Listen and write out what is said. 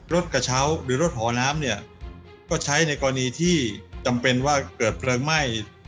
รถกระเช้าหรือรถหอน้ำเนี่ยก็ใช้ในกรณีที่จำเป็นว่าเกิดเพลิงไหม้